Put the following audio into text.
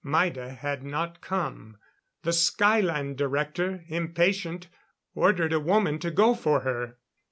Maida had not come. The Skylan Director, impatient ordered a woman to go for her.